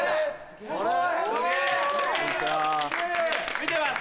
見てます！